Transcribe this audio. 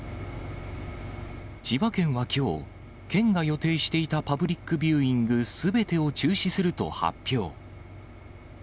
千葉県はきょう、県が予定していたパブリックビューイングすべてを中止すると発表。